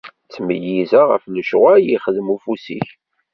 Ttmeyyizeɣ ɣef lecɣwal yexdem ufus-ik.